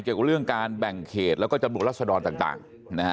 เกี่ยวกับเรื่องการแบ่งเขตแล้วก็จำนวนรัศดรต่าง